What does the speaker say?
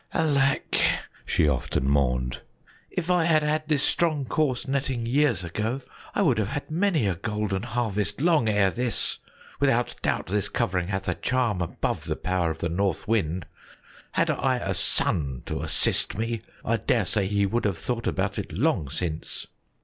"Alack!" she often mourned, "if I had had this strong, coarse netting years ago, I would have had many a golden harvest long ere this. Without doubt this covering hath a charm above the power of the North Wind. Had I a son to assist me, I daresay he would have thought about it long since."